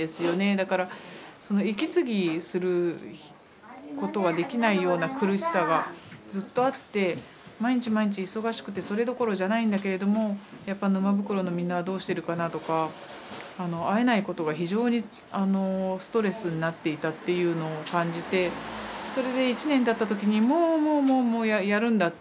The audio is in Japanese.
だから息継ぎすることができないような苦しさがずっとあって毎日毎日忙しくてそれどころじゃないんだけれどもやっぱ沼袋のみんなはどうしてるかなとか会えないことが非常にストレスになっていたっていうのを感じてそれで１年たった時にもうもうもうやるんだって。